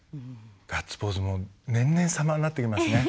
ガッツポーズも年々様になっていきますね。